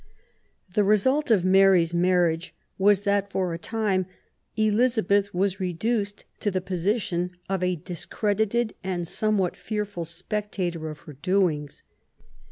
The result of Mary's marriage was that, for a time, Klizabeth was reduced to the position of a discredited and somewhat fearful spectator of her doings.